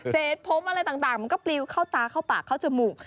เสร็จผมอะไรต่างมันก็ปลิวเข้าตาเข้าปากเข้าจมูก